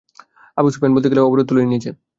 Abu Sufyan বলতে গেলে অবরোধ তুলেই নিয়েছে।